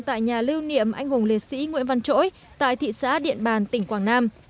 tại nhà lưu niệm anh hùng liệt sĩ nguyễn văn trỗi tại thị xã điện bàn tỉnh quảng nam